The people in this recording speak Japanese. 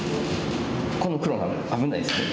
この黒が危ないですね。